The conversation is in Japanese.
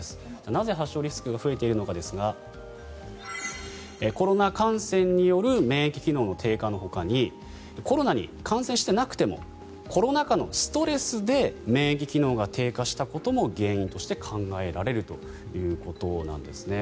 なぜ発症リスクが増えているのかですがコロナ感染による免疫機能の低下のほかにコロナに感染してなくてもコロナ禍のストレスで免疫機能が低下したことも原因として考えられるということなんですね。